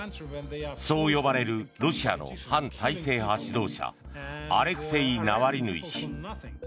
そう呼ばれるロシアの反体制派指導者アレクセイ・ナワリヌイ氏。